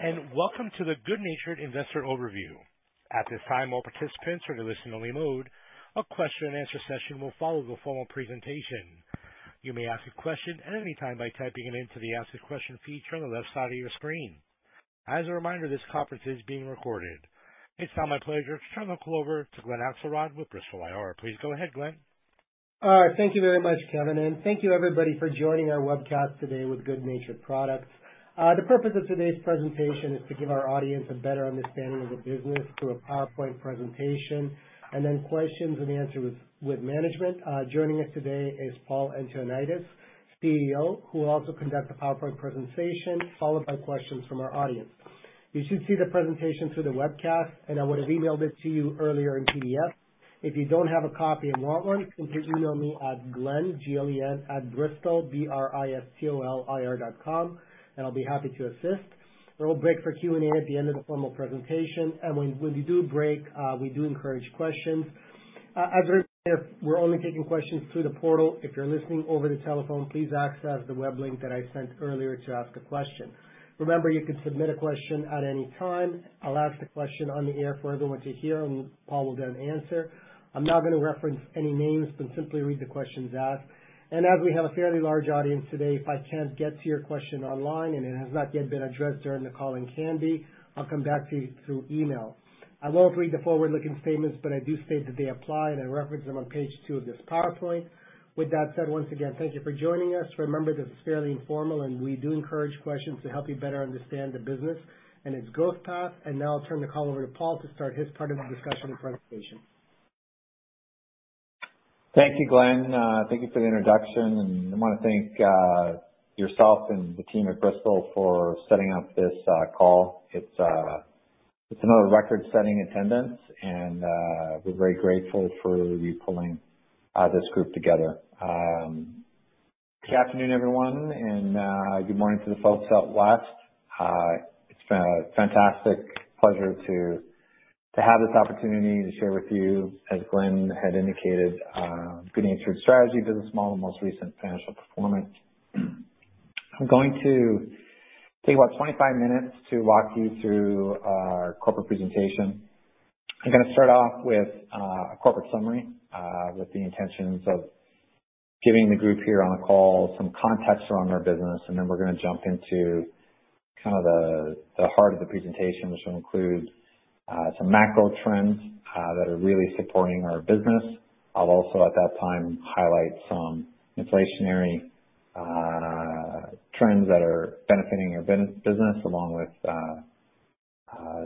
Hello, and welcome to the good natured Investor Overview. At this time, all participants are in a listen-only mode. A question and answer session will follow the formal presentation. You may ask a question at any time by typing it into the ask a question feature on the left side of your screen. As a reminder, this conference is being recorded. It's now my pleasure to turn the call over to Glen Axelrod with Bristol IR. Please go ahead, Glen. Thank you very much, Kevin, and thank you everybody for joining our webcast today with good natured Products. The purpose of today's presentation is to give our audience a better understanding of the business through a PowerPoint presentation, and then questions and answer with management. Joining us today is Paul Antoniadis, CEO, who will also conduct the PowerPoint presentation, followed by questions from our audience. You should see the presentation through the webcast. I would have emailed it to you earlier in PDF. If you don't have a copy and want one, simply email me at Glen, G-L-E-N, @bristolir.com. I'll be happy to assist. There will be a break for Q&A at the end of the formal presentation. When we do break, we do encourage questions. As we're only taking questions through the portal. If you're listening over the telephone, please access the web link that I sent earlier to ask a question. Remember, you can submit a question at any time. I'll ask the question on the air for everyone to hear, and Paul will then answer. I'm not gonna reference any names, but simply read the questions asked. As we have a fairly large audience today, if I can't get to your question online and it has not yet been addressed during the call and can be, I'll come back to you through email. I won't read the forward-looking statements, but I do state that they apply, and I reference them on page two of this PowerPoint. With that said, once again, thank you for joining us. Remember, this is fairly informal, and we do encourage questions to help you better understand the business and its growth path. Now I'll turn the call over to Paul to start his part of the discussion and presentation. Thank you, Glen. Thank you for the introduction. I wanna thank yourself and the team at Bristol for setting up this call. It's, it's another record-setting attendance, and we're very grateful for you pulling this group together. Good afternoon, everyone, and good morning to the folks out west. It's been a fantastic pleasure to have this opportunity to share with you, as Glen had indicated, good natured's strategy for the small and most recent financial performance. I'm going to take about 25 minutes to walk you through our corporate presentation. I'm gonna start off with a corporate summary, with the intentions of giving the group here on the call some context around our business. Then we're gonna jump into kind of the heart of the presentation, which will include some macro trends that are really supporting our business. I'll also at that time highlight some inflationary trends that are benefiting our business, along with.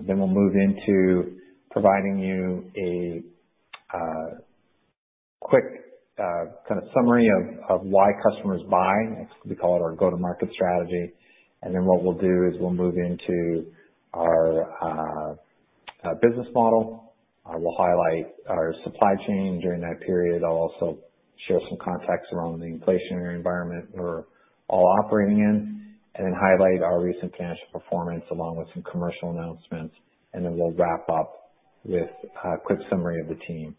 We'll move into providing you a quick kind of summary of why customers buy. We call it our go-to-market strategy. What we'll do is we'll move into our business model. I will highlight our supply chain during that period. I'll also share some context around the inflationary environment we're all operating in and then highlight our recent financial performance along with some commercial announcements. Then we'll wrap up with a quick summary of the team.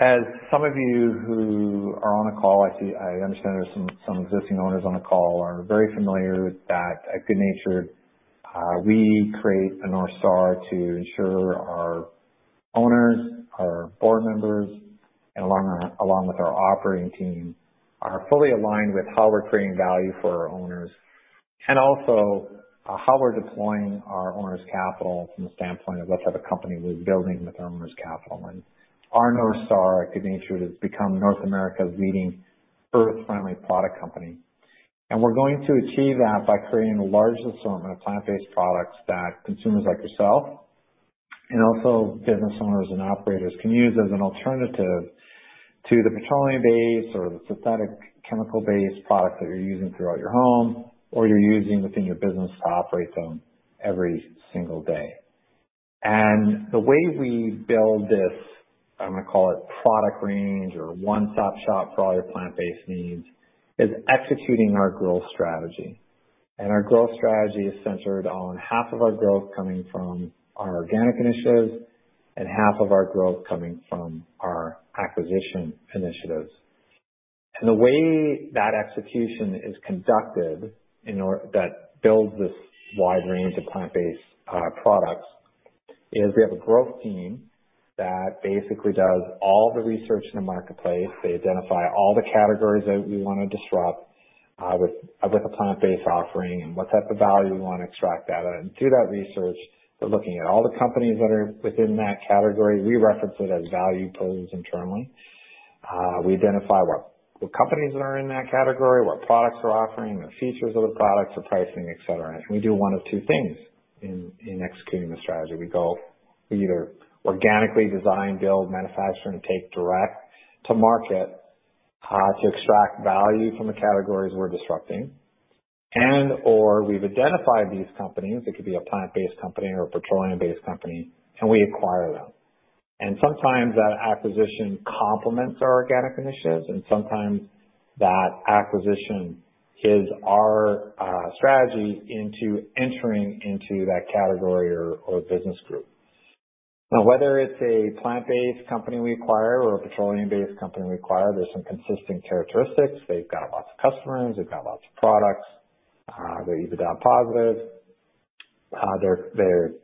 As some of you who are on the call, I see, I understand there's some existing owners on the call are very familiar with that. At good natured, we create a North Star to ensure our owners, our board members, along with our operating team, are fully aligned with how we're creating value for our owners and also, how we're deploying our owners' capital from the standpoint of what type of company we're building with our owners' capital. Our North Star at good natured become North America's leading earth-friendly product company. We're going to achieve that by creating the largest assortment of plant-based products that consumers like yourself and also business owners and operators can use as an alternative to the petroleum-based or the synthetic chemical-based products that you're using throughout your home or you're using within your business to operate them every single day. The way we build this, I'm gonna call it product range or one-stop shop for all your plant-based needs, is executing our growth strategy. Our growth strategy is centered on half of our growth coming from our organic initiatives and half of our growth coming from our acquisition initiatives. The way that execution is conducted that builds this wide range of plant-based products is we have a growth team that basically does all the research in the marketplace. They identify all the categories that we want to disrupt with a plant-based offering and what type of value we want to extract out of it. Through that research, they're looking at all the companies that are within that category. We reference it as value pools internally. We identify what companies are in that category, what products they're offering, the features of the products, the pricing, et cetera. We do one of two things in executing the strategy. We either organically design, build, manufacture, and take direct to market to extract value from the categories we're disrupting, and/or we've identified these companies, it could be a plant-based company or a petroleum-based company, and we acquire them. Sometimes that acquisition complements our organic initiatives, and sometimes that acquisition is our strategy into entering into that category or business group. Whether it's a plant-based company we acquire or a petroleum-based company we acquire, there's some consistent characteristics. They've got lots of customers, they've got lots of products, they're EBITDA positive.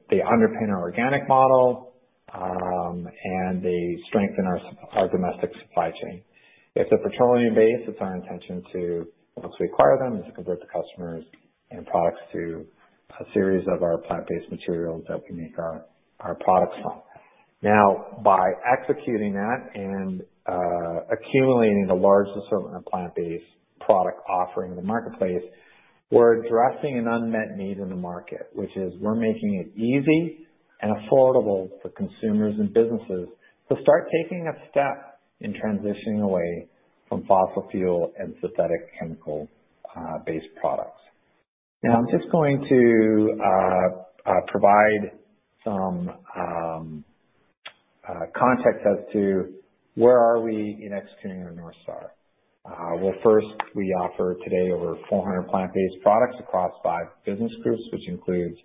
They underpin our organic model, and they strengthen our domestic supply chain. If they're petroleum-based, it's our intention to, once we acquire them, is to convert the customers and products to a series of our plant-based materials that we make our products from. By executing that and accumulating the largest sort of plant-based product offering in the marketplace, we're addressing an unmet need in the market, which is we're making it easy and affordable for consumers and businesses to start taking a step in transitioning away from fossil fuel and synthetic chemical-based products. I'm just going to provide some context as to where are we in executing our North Star. First, we offer today over 400 plant-based products across five business groups, which includes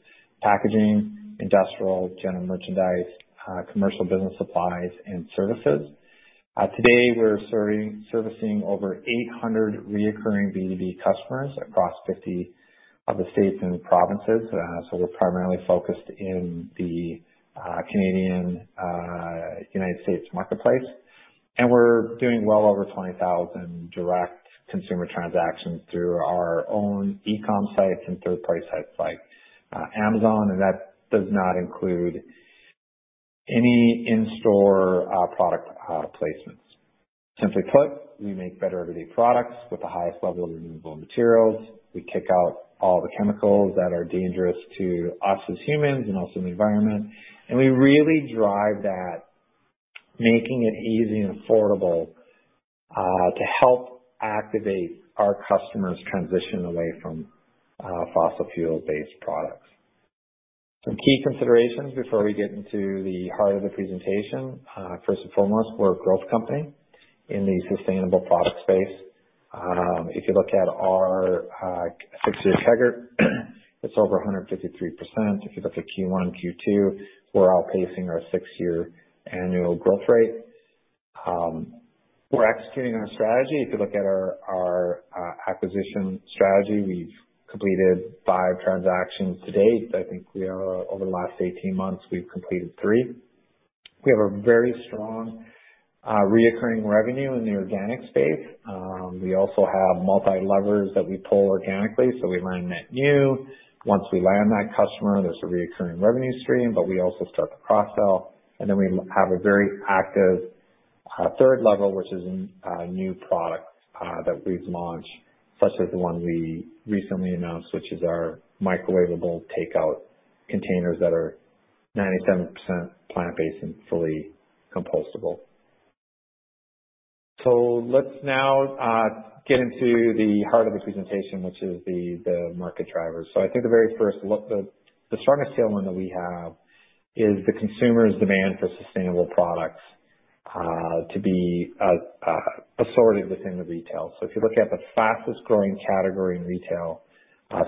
packaging, industrial, general merchandise, commercial business supplies and services. Today, we're servicing over 800 reoccurring B2B customers across 50 of the states and provinces. We're primarily focused in the Canadian, United States marketplace. We're doing well over 20,000 direct consumer transactions through our own e-com sites and third-party sites like Amazon, and that does not include any in-store product placements. Simply put, we make better everyday products with the highest level of renewable materials. We kick out all the chemicals that are dangerous to us as humans and also the environment, and we really drive that, making it easy and affordable to help activate our customers transition away from fossil fuel-based products. Some key considerations before we get into the heart of the presentation. First and foremost, we're a growth company in the sustainable product space. If you look at our six-year CAGR, it's over 153%. If you look at Q1, Q2, we're outpacing our six-year annual growth rate. We're executing our strategy. If you look at our acquisition strategy, we've completed five transactions to date. I think over the last 18 months, we've completed three. We have a very strong reoccurring revenue in the organic space. We also have multi-levers that we pull organically. We land net new. Once we land that customer, there's a reoccurring revenue stream. We also start to cross-sell. Then we have a very active third level, which is in new products that we've launched, such as the one we recently announced, which is our Microwavable To Go Containers that are 97% plant-based and fully compostable. Let's now get into the heart of the presentation, which is the market drivers. The strongest tailwind that we have is the consumers' demand for sustainable products to be assorted within the retail. If you look at the fastest-growing category in retail,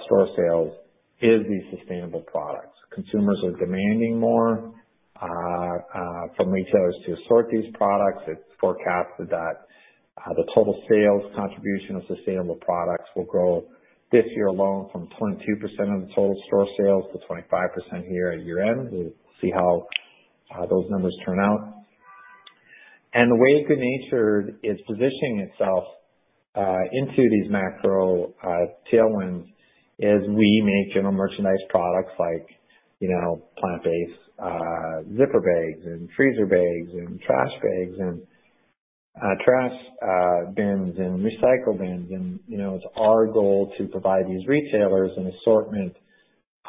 store sales is the sustainable products. Consumers are demanding more from retailers to sort these products. It's forecasted that the total sales contribution of sustainable products will grow this year alone from 22% of the total store sales to 25% here at year-end. We'll see how those numbers turn out. The way good natured is positioning itself into these macro tailwinds is we make general merchandise products like, you know, plant-based zipper bags and freezer bags and trash bags and trash bins and recycle bins. You know, it's our goal to provide these retailers an assortment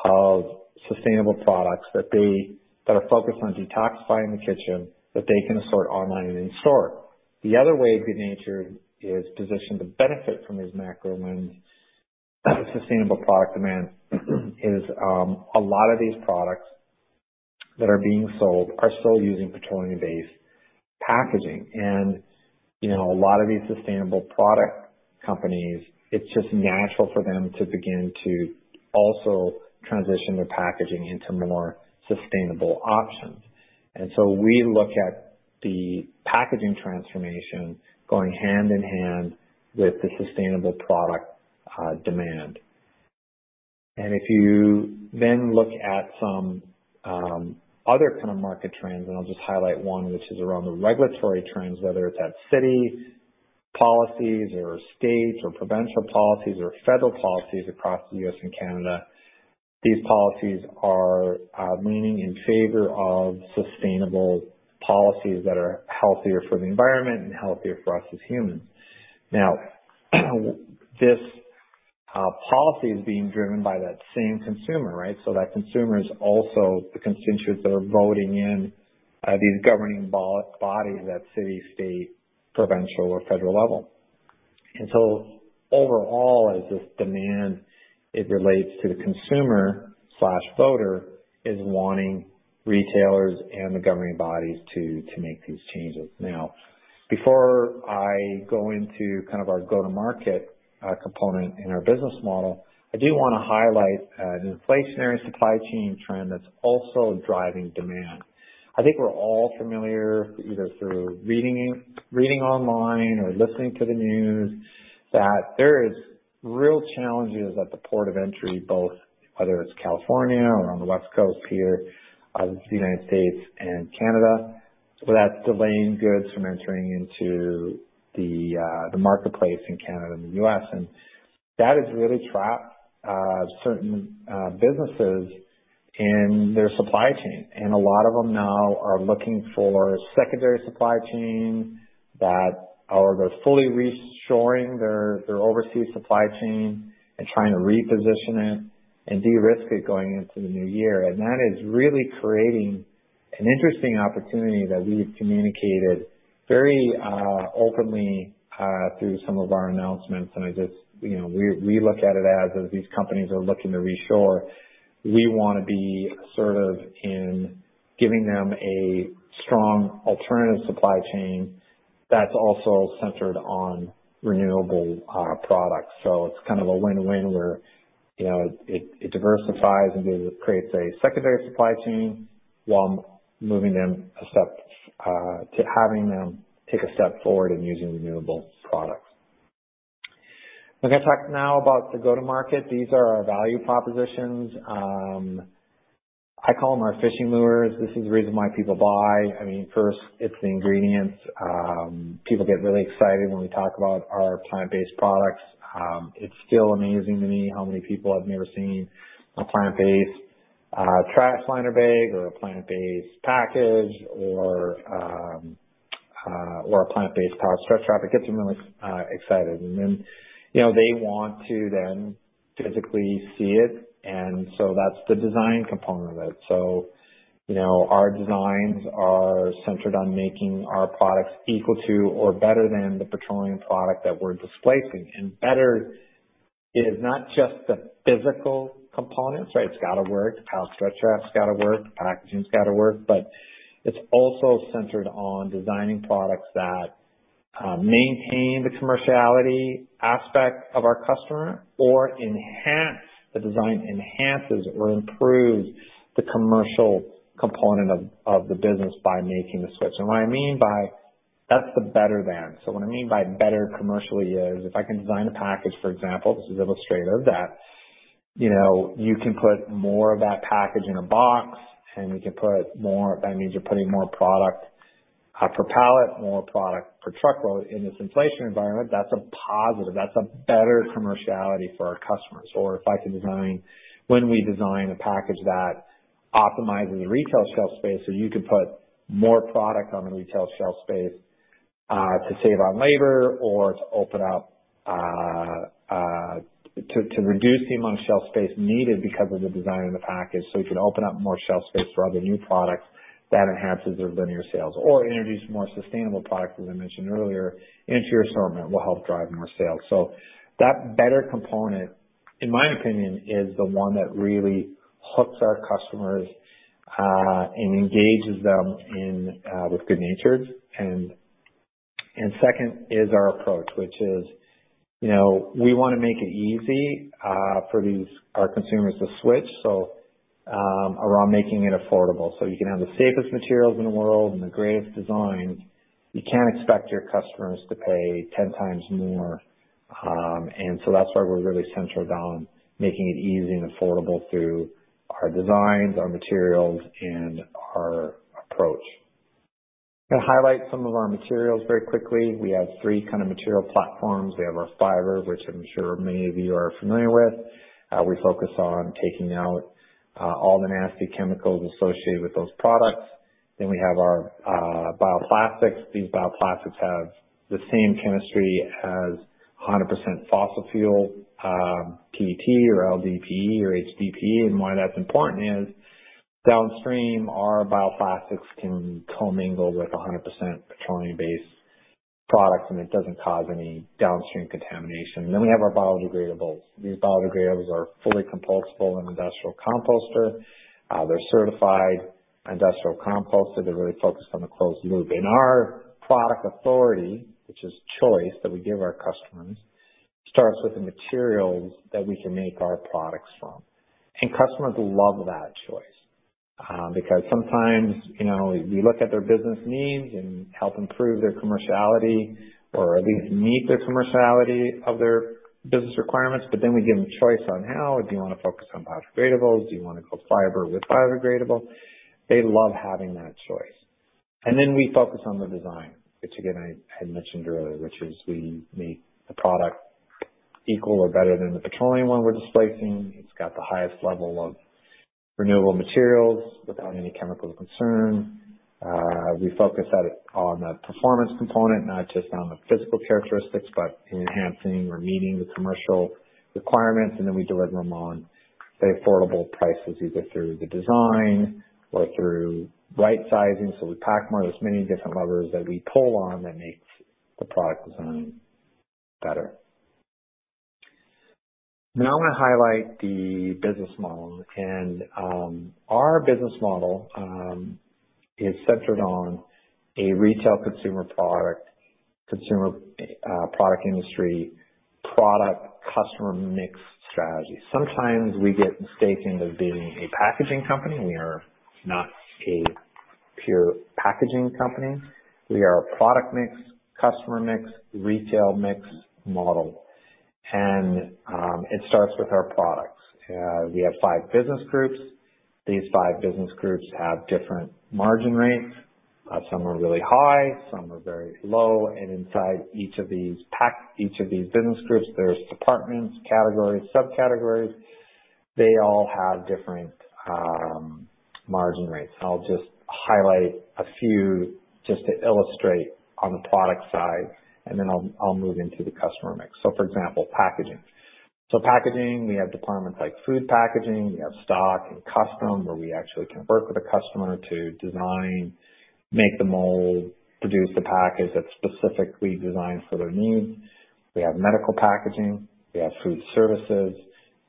of sustainable products that are focused on detoxifying the kitchen that they can assort online and in store. The other way good natured is positioned to benefit from these macro winds sustainable product demand is, a lot of these products that are being sold are still using petroleum-based packaging. You know, a lot of these sustainable product companies, it's just natural for them to begin to also transition their packaging into more sustainable options. We look at the packaging transformation going hand in hand with the sustainable product demand. If you then look at some other kind of market trends, and I'll just highlight one, which is around the regulatory trends, whether it's at city policies or state or provincial policies or federal policies across the U.S. and Canada, these policies are leaning in favor of sustainable policies that are healthier for the environment and healthier for us as humans. This policy is being driven by that same consumer, right? That consumer is also the constituents that are voting in these governing bodies at city, state, provincial or federal level. Overall, as this demand, it relates to the consumer/voter is wanting retailers and the governing bodies to make these changes. Before I go into kind of our go-to-market component in our business model, I do wanna highlight an inflationary supply chain trend that's also driving demand. I think we're all familiar, either through reading online or listening to the news, that there is real challenges at the port of entry, both whether it's California or on the West Coast here, the United States and Canada. That's delaying goods from entering into the marketplace in Canada and the U.S. That has really trapped certain businesses in their supply chain. A lot of them now are looking for secondary supply chain that are either fully reshoring their overseas supply chain and trying to reposition it and de-risk it going into the new year. That is really creating an interesting opportunity that we've communicated very openly through some of our announcements. You know, we look at it as these companies are looking to reshore, we wanna be assertive in giving them a strong alternative supply chain that's also centered on renewable products. It's kind of a win-win where, you know, it diversifies and creates a secondary supply chain while moving them a step forward in using renewable products. I'm gonna talk now about the go-to-market. These are our value propositions. I call them our fishing lures. This is the reason why people buy. I mean, first it's the ingredients. People get really excited when we talk about our plant-based products. It's still amazing to me how many people have never seen a plant-based trash liner bag or a plant-based package or a plant-based pallet stretch wrap. It gets them really excited. Then, you know, they want to then physically see it. That's the design component of it. You know, our designs are centered on making our products equal to or better than the petroleum product that we're displacing. Better is not just the physical components, right? It's gotta work. Pallet stretch wrap's gotta work. Packaging's gotta work. It's also centered on designing products that maintain the commerciality aspect of our customer or the design enhances or improves the commercial component of the business by making the switch. What I mean by, "That's the better than." What I mean by better commercially is if I can design a package, for example, this is illustrative, that, you know, you can put more of that package in a box and you can put more. That means you're putting more product per pallet, more product per truckload. In this inflation environment, that's a positive. That's a better commerciality for our customers. When we design a package that optimizes the retail shelf space, so you could put more product on the retail shelf space, to save on labor or to open up, to reduce the amount of shelf space needed because of the design of the package, so you can open up more shelf space for other new products, that enhances their linear sales. Introduce more sustainable products, as I mentioned earlier, into your assortment, will help drive more sales. That better component, in my opinion, is the one that really hooks our customers and engages them with good natured. Second is our approach, which is, you know, we wanna make it easy for our consumers to switch. Around making it affordable. You can have the safest materials in the world and the greatest design. You can't expect your customers to pay 10x more. That's why we're really centered on making it easy and affordable through our designs, our materials, and our approach. To highlight some of our materials very quickly. We have three kind of material platforms. We have our fiber, which I'm sure many of you are familiar with. We focus on taking out all the nasty chemicals associated with those products. We have our bioplastics. These bioplastics have the same chemistry as 100% fossil fuel PET or LDPE or HDPE. Why that's important is downstream our bioplastics can commingle with 100% petroleum-based products, and it doesn't cause any downstream contamination. We have our biodegradables. These biodegradables are fully compostable in industrial composter. They're certified industrial composter. They're really focused on the closed loop. Our product authority, which is choice that we give our customers, starts with the materials that we can make our products from. Customers love that choice, you know, because sometimes we look at their business needs and help improve their commerciality or at least meet their commerciality of their business requirements. We give them choice on how. Do you wanna focus on biodegradables? Do you wanna go fiber with biodegradable? They love having that choice. Then we focus on the design, which again, I mentioned earlier, which is we make the product equal or better than the petroleum one we're displacing. It's got the highest level of renewable materials without any chemical concern. We focus on the performance component, not just on the physical characteristics, but enhancing or meeting the commercial requirements. Then we deliver them on the affordable prices, either through the design or through right-sizing, so we pack more. There's many different levers that we pull on that makes the product design better. Now I'm gonna highlight the business model. Our business model is centered on a retail consumer product, consumer, product industry, product customer mix strategy. Sometimes we get mistaken of being a packaging company. We are not a pure packaging company. We are a product mix, customer mix, retail mix model. It starts with our products. We have five business groups. These five business groups have different margin rates. Some are really high, some are very low. Inside each of these business groups, there's departments, categories, subcategories. They all have different margin rates. I'll just highlight a few just to illustrate on the product side, and then I'll move into the customer mix. For example, packaging. Packaging, we have departments like food packaging. We have stock and custom where we actually can work with a customer to design, make the mold, produce the package that's specifically designed for their needs. We have medical packaging. We have food services.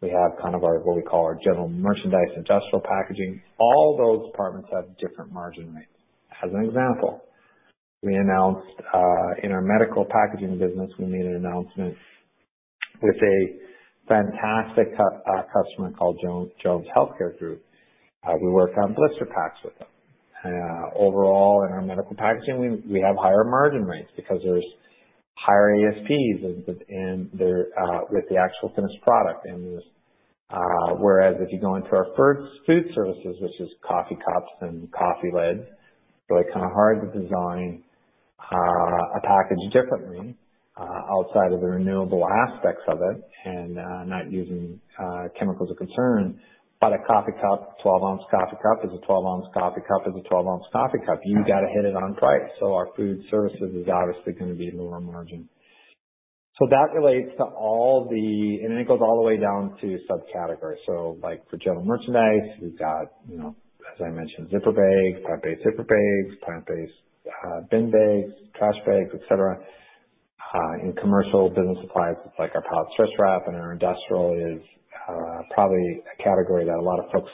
We have kind of our, what we call our general merchandise, industrial packaging. All those departments have different margin rates. As an example, we announced in our medical packaging business, we made an announcement with a fantastic customer called Jones Healthcare Group. We work on blister packs with them. Overall in our medical packaging, we have higher margin rates because there's higher ASPs in with the actual finished product. Whereas if you go into our food services, which is coffee cups and coffee lids, really kinda hard to design a package differently outside of the renewable aspects of it and not using chemicals of concern. A coffee cup, 12 ounce coffee cup is a 12 ounce coffee cup is a 12 ounce coffee cup. You gotta hit it on price. Our food services is obviously gonna be lower margin. That relates to all the, it goes all the way down to subcategory. For general merchandise, we've got, you know, as I mentioned, zipper bags, plant-based zipper bags, plant-based bin bags, trash bags, et cetera. In commercial business supplies, like our pallet stretch wrap and our industrial is probably a category that a lot of folks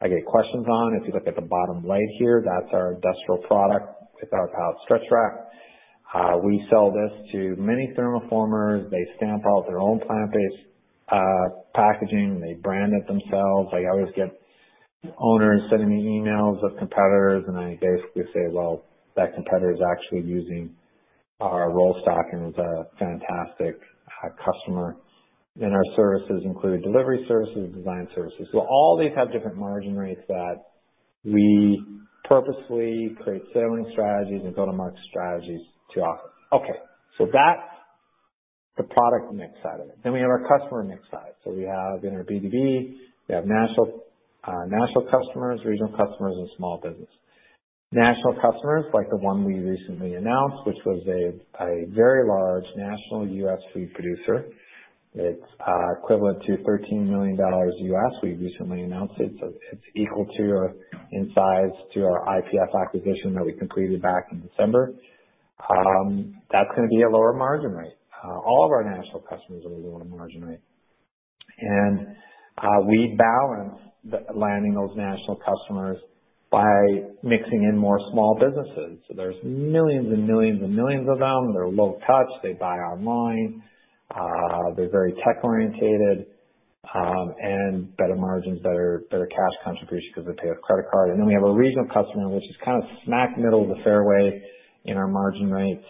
I get questions on. If you look at the bottom right here, that's our industrial product. It's our pallet stretch wrap. We sell this to many thermoformers. They stamp out their own plant-based packaging. They brand it themselves. Like, I always get owners sending me emails of competitors, and I basically say, "Well, that competitor is actually using our roll stock, and it's a fantastic customer." Our services include delivery services, design services. All these have different margin rates that we purposely create selling strategies and go-to-market strategies to offer. That's the product mix side of it. We have our customer mix side. We have in our B2B, we have national customers, regional customers, and small business. National customers, like the one we recently announced, which was a very large national U.S. food producer. It's equivalent to $13 million. We recently announced it, so it's equal to in size to our IPF acquisition that we completed back in December. That's gonna be a lower margin rate. All of our national customers are a lower margin rate. We balance landing those national customers by mixing in more small businesses. There's millions and millions and millions of them. They're low touch. They buy online. They're very tech-orientated, better margins, better cash contribution 'cause they pay with credit card. We have a regional customer which is kind of smack middle of the fairway in our margin rates.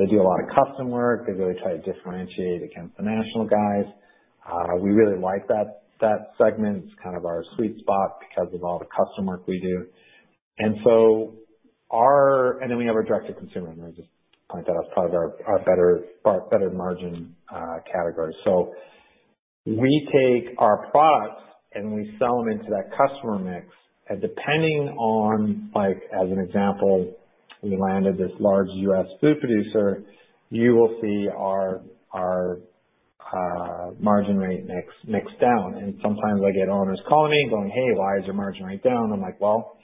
They do a lot of custom work. They really try to differentiate against the national guys. We really like that segment. It's kind of our sweet spot because of all the custom work we do. We have our direct-to-consumer. Let me just point that out. It's part of our better, far better margin category. We take our products, and we sell them into that customer mix. Depending on, like, as an example, we landed this large U.S. food producer, you will see our margin rate mix down. Sometimes I get owners calling me going, "Hey, why is your margin rate down?" I'm like, "Well,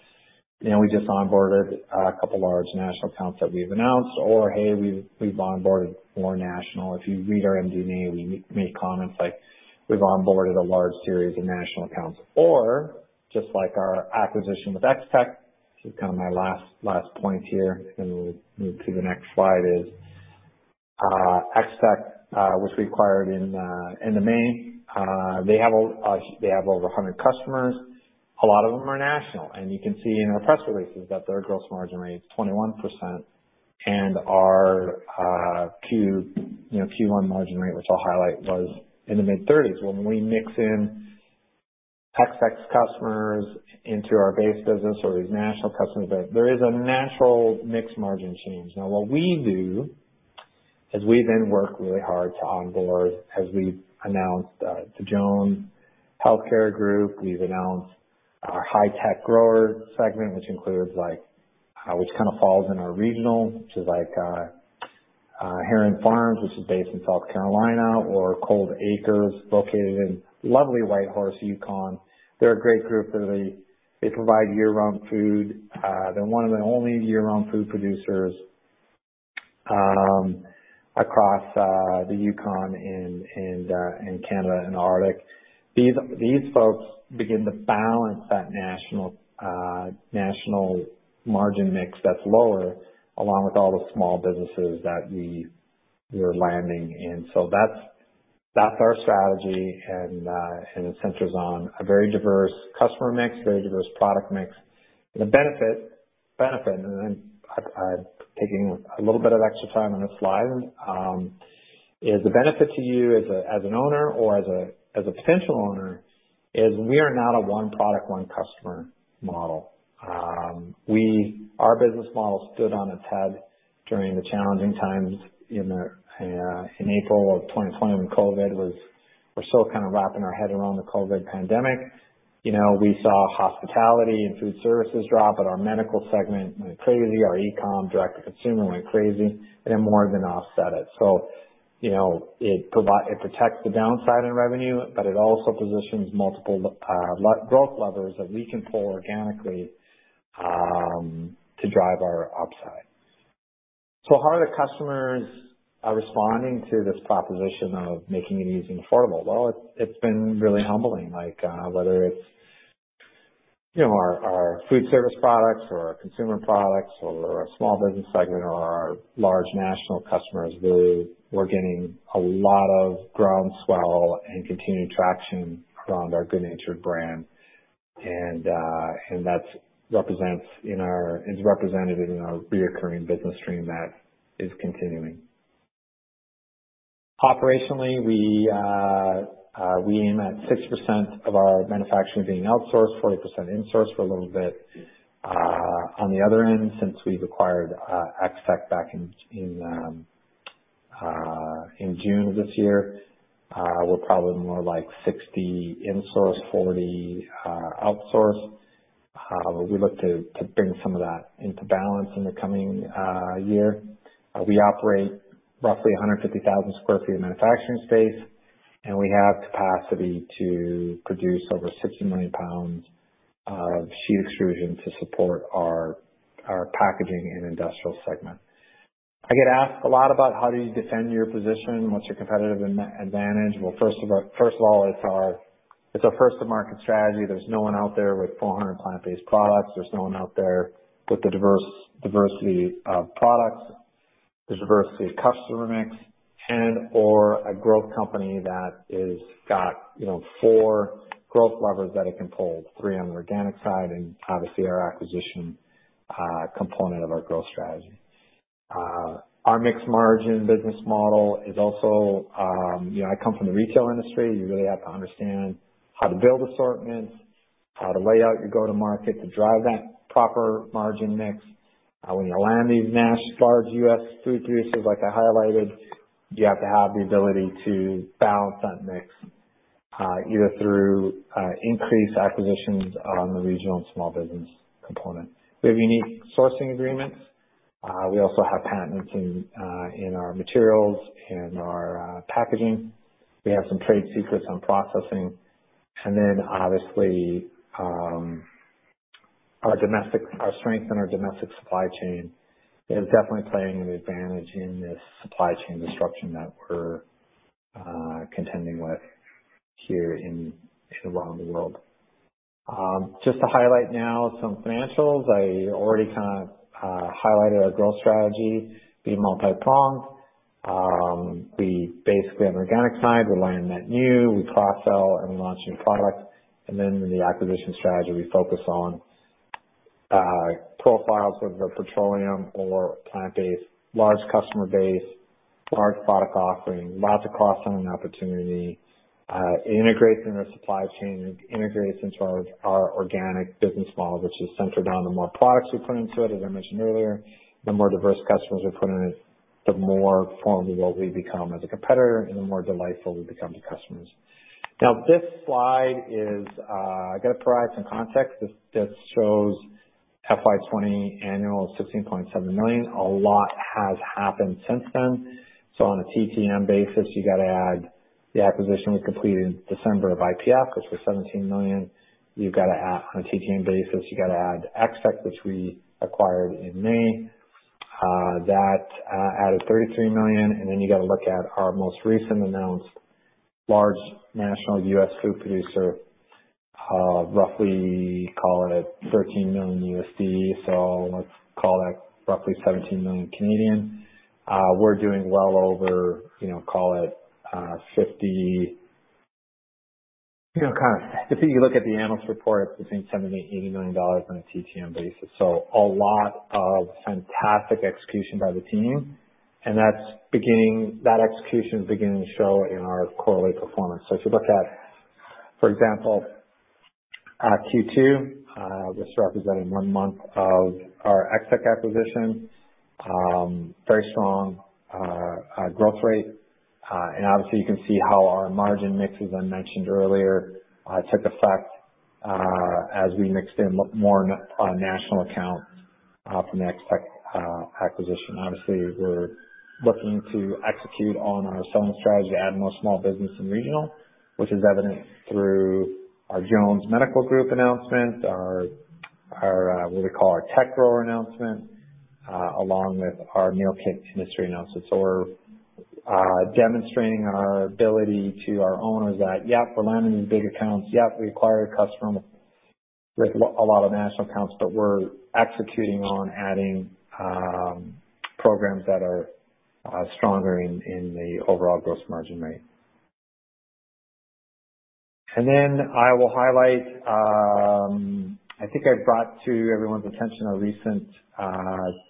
you know, we just onboarded a couple large national accounts that we've announced," or, "Hey, we've onboarded more national." If you read our MD&A, we made comments like, "We've onboarded a large series of national accounts." Just like our acquisition with Ex-Tech. This is kind of my last point here, then we'll move to the next slide is, Ex-Tech was acquired in end of May. They have over 100 customers. A lot of them are national. You can see in our press releases that their gross margin rate is 21% and our Q, you know, Q1 margin rate, which I'll highlight, was in the mid-30s. When we mix in Ex-Tech's customers into our base business or these national customers, there is a natural mix margin change. Now what we do is we then work really hard to onboard. As we've announced, the Jones Healthcare Group, we've announced our high-tech grower segment, which includes like, which kind of falls in our regional, which is like Heron Farms, which is based in South Carolina or ColdAcre located in lovely Whitehorse, Yukon. They're a great group that they provide year-round food. They're one of the only year-round food producers across the Yukon and Canada and Arctic. These folks begin to balance that national national margin mix that's lower, along with all the small businesses that we're landing in. That's our strategy, and it centers on a very diverse customer mix, very diverse product mix. The benefit, and I'm taking a little bit of extra time on this slide, is the benefit to you as an owner or as a potential owner is we are not a one product, one customer model. Our business model stood on its head during the challenging times in April of 2020 when we're still kind of wrapping our head around the COVID-19 pandemic. You know, we saw hospitality and food services drop, but our medical segment went crazy. Our e-com direct to consumer went crazy, and it more than offset it. It protects the downside in revenue, it also positions multiple growth levers that we can pull organically to drive our upside. How are the customers are responding to this proposition of making it easy and affordable? Well, it's been really humbling. Like, you know, whether it's our food service products or our consumer products or our small business segment or our large national customers, we're getting a lot of groundswell and continued traction around our good natured brand. That's represented in our reoccurring business stream that is continuing. Operationally, we aim at 6% of our manufacturing being outsourced, 40% insourced. We're a little bit on the other end since we've acquired Ex-Tech back in June this year, we're probably more like 60 insource, 40 outsource. We look to bring some of that into balance in the coming year. We operate roughly 150,000 sq ft of manufacturing space, and we have capacity to produce over 60 million pounds of sheet extrusion to support our packaging and industrial segment. I get asked a lot about how do you defend your position? What's your competitive advantage? Well, first of all, it's our first to market strategy. There's no one out there with 400 plant-based products. There's no one out there with the diversity of products, the diversity of customer mix, and/or a growth company that is got, you know, four growth levers that it can pull, three on the organic side and obviously our acquisition component of our growth strategy. Our mixed margin business model is also, you know, I come from the retail industry. You really have to understand how to build assortments, how to lay out your go-to-market to drive that proper margin mix. When you land these large U.S. food producers like I highlighted, you have to have the ability to balance that mix, either through increased acquisitions on the regional and small business component. We have unique sourcing agreements. We also have patents in our materials, in our packaging. We have some trade secrets on processing. Obviously, our strength in our domestic supply chain is definitely playing an advantage in this supply chain disruption that we're contending with around the world. just to highlight now some financials. I already kind of highlighted our growth strategy, being multi-pronged. we basically on the organic side, we're landing that new, we cross-sell and we launch new products. In the acquisition strategy, we focus on profiles of the petroleum or plant-based, large customer base, large product offering, lots of cost-saving opportunity, it integrates in our supply chain, it integrates into our organic business model, which is centered on the more products we put into it, as I mentioned earlier, the more diverse customers we put in it, the more formidable we become as a competitor and the more delightful we become to customers. This slide is, I got to provide some context. This shows FY 2020 annual of 16.7 million. A lot has happened since then. On a TTM basis, you got to add the acquisition we completed in December of IPF, which was 17 million. You've got to add, on a TTM basis, you got to add Ex-Tech, which we acquired in May. That added 33 million. You got to look at our most recent announced large national U.S. food producer, roughly call it $13 million. Let's call that roughly 17 million. We're doing well over, you know, call it, 50... You know, kind of... If you look at the annuals report, between 70 million-80 million dollars on a TTM basis. A lot of fantastic execution by the team, and that execution is beginning to show in our quarterly performance. If you look at, for example, Q2, this representing one month of our Ex-Tech acquisition, very strong growth rate. And obviously you can see how our margin mix, as I mentioned earlier, took effect, as we mixed in more national accounts from the Ex-Tech acquisition. We're looking to execute on our selling strategy to add more small business and regional, which is evident through our Jones Medical Group announcement, our what we call our tech grower announcement, along with our meal kit industry announcement. We're demonstrating our ability to our owners that, yep, we're landing these big accounts. Yep, we acquired a customer with a lot of national accounts, we're executing on adding programs that are stronger in the overall gross margin rate. I will highlight, I think I brought to everyone's attention our recent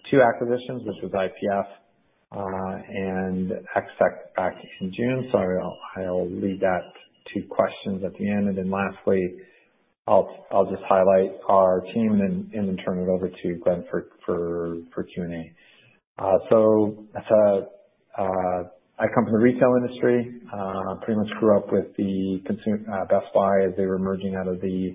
two acquisitions. This was IPF and Ex-Tech back in June. I'll leave that to questions at the end. Lastly, I'll just highlight our team and then turn it over to Glen for Q&A. As I come from the retail industry. Pretty much grew up with Best Buy as they were emerging out of the,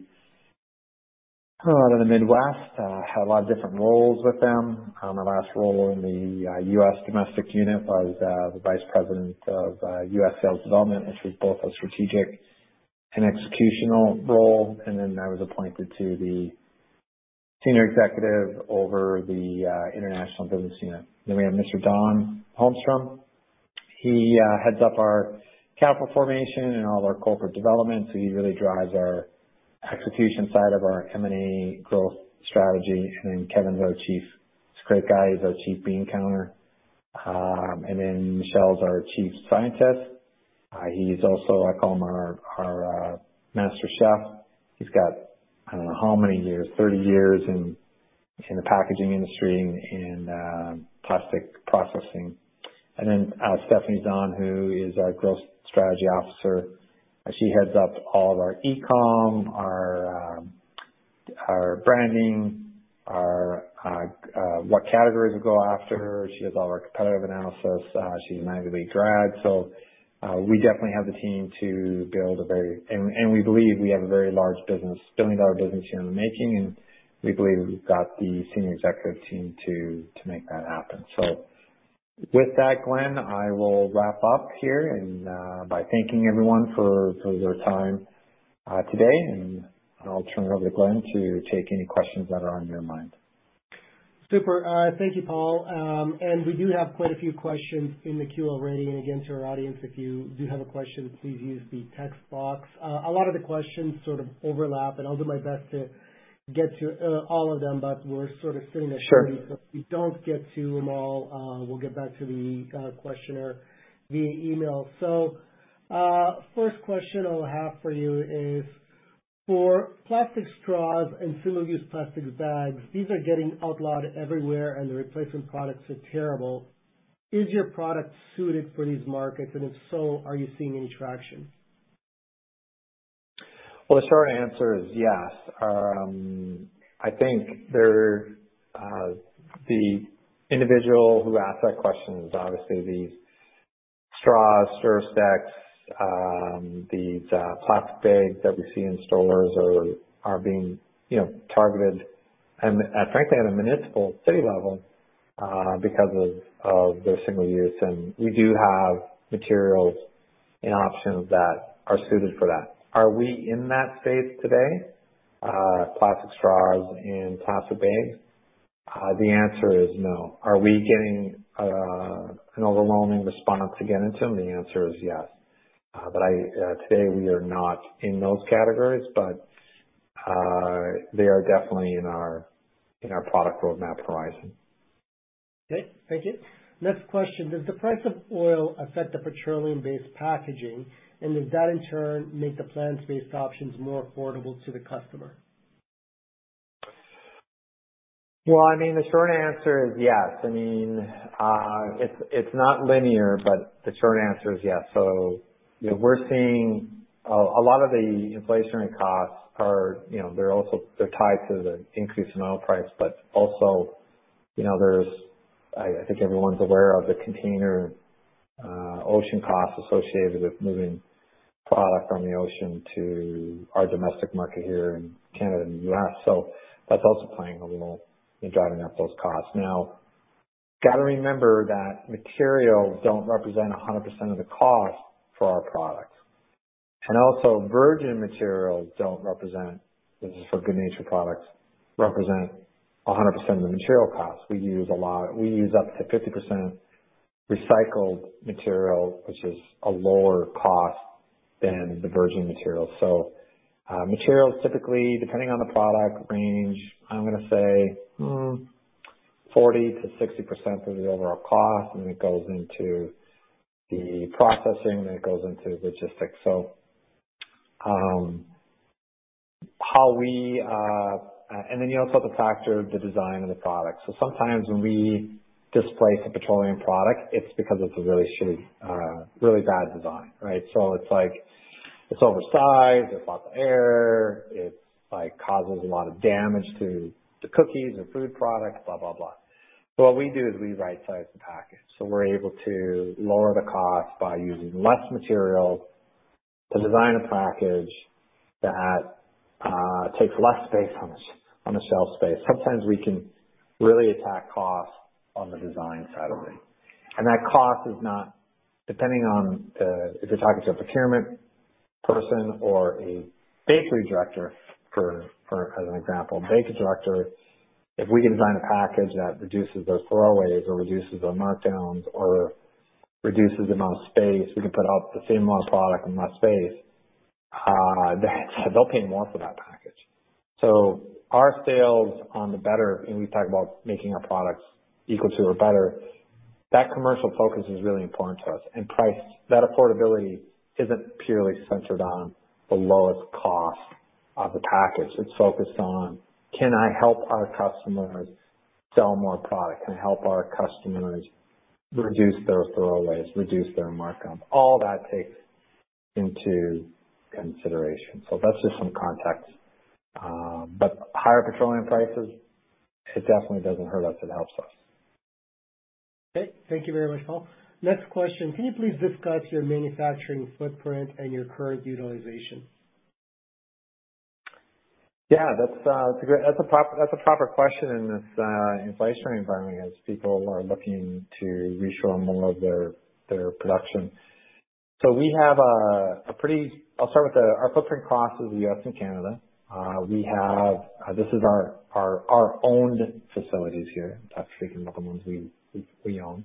out of the Midwest. Had a lot of different roles with them. My last role in the U.S. domestic unit, I was the Vice President of U.S. sales development, which was both a strategic and executional role. I was appointed to the Senior Executive over the international business unit. We have Mr. Don Holmstrom. He heads up our capital formation and all of our corporate development, he really drives our execution side of our M&A growth strategy. Kevin's our chief bean counter. He's a great guy. Michel's our Chief Scientist. He's also, I call him our master chef. He's got, I don't know how many years, 30 years in the packaging industry and plastic processing. Stephanie Zahn, who is our growth strategy officer, she heads up all of our e-com, our branding, what categories we go after. She does all our competitive analysis. She's an Ivy League grad. We definitely have the team to build a very large business, billion-dollar business here in the making, and we believe we've got the senior executive team to make that happen. With that, Glen, I will wrap up here by thanking everyone for their time today, and I'll turn it over to Glen to take any questions that are on your mind. Super. Thank you, Paul. We do have quite a few questions in the queue already. Again, to our audience, if you do have a question, please use the text box. A lot of the questions sort of overlap, I'll do my best to get to all of them, but we're sort of sitting at 30. Sure. If we don't get to them all, we'll get back to the questioner via email. First question I'll have for you is, for plastic straws and single-use plastic bags, these are getting outlawed everywhere, and the replacement products are terrible. Is your product suited for these markets, and if so, are you seeing any traction? Well, the short answer is yes. I think there the individual who asked that question is obviously the straws, stir sticks, the plastic bags that we see in stores are being, you know, targeted and frankly on a municipal city level because of their single use, and we do have materials and options that are suited for that. Are we in that space today, plastic straws and plastic bags? The answer is no. Are we getting an overwhelming response to get into them? The answer is yes. Today we are not in those categories, but they are definitely in our product roadmap horizon. Okay. Thank you. Next question. Does the price of oil affect the petroleum-based packaging, and does that in turn make the plant-based options more affordable to the customer? Well, I mean, the short answer is yes. I mean, it's not linear, but the short answer is yes. You know, we're seeing a lot of the inflationary costs are, you know, they're also tied to the increase in oil price. Also, you know, there's, I think everyone's aware of the container ocean costs associated with moving product from the ocean to our domestic market here in Canada and U.S. That's also playing a little in driving up those costs. Gotta remember that materials don't represent 100% of the cost for our products. Also, virgin materials don't represent, this is for good natured Products, represent 100% of the material costs. We use a lot. We use up to 50% recycled material, which is a lower cost than the virgin material. Materials typically, depending on the product range, I'm going to say 40%-60% of the overall cost. It goes into the processing, it goes into logistics. You also have to factor the design of the product. Sometimes when we displace a petroleum product, it's because it's a really shitty, really bad design, right. It's like, it's oversized, there's lots of air. It, like, causes a lot of damage to the cookies, the food products, blah, blah. What we do is we right-size the package, we're able to lower the cost by using less material to design a package that takes less space on the shelf space. Sometimes we can really attack costs on the design side of it. That cost is not... Depending on the, if you're talking to a procurement person or a bakery director for as an example. Bakery director, if we can design a package that reduces those throwaways or reduces the markdowns or reduces the amount of space, we can put out the same amount of product in less space, they'll pay more for that package. Our sales on the better, and we talk about making our products equal to or better, that commercial focus is really important to us. Price, that affordability isn't purely centered on the lowest cost of the package. It's focused on can I help our customers sell more product? Can I help our customers reduce their throwaways, reduce their markdowns? All that takes into consideration. That's just some context. Higher petroleum prices, it definitely doesn't hurt us. It helps us. Okay. Thank you very much, Paul. Next question. Can you please discuss your manufacturing footprint and your current utilization? That's a proper question in this inflationary environment as people are looking to reshore more of their production. I'll start with our footprint crosses the U.S. and Canada. We have this is our owned facilities here. I'm just reading off the ones we own.